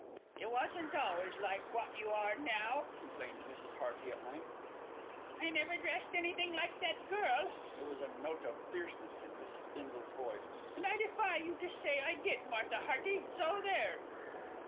"You wasn't always like wot you are now," complained Mrs. Hearty at length. "I never dressed anything like that girl." There was a note of fierceness in Mrs. Bindle's voice, "and I defy you to say I did, Martha Hearty, so there."